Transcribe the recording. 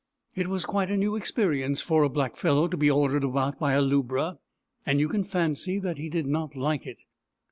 It was quite a new experience for a blackfellow to be ordered about by a lubra, and you can fancy that he did not like it.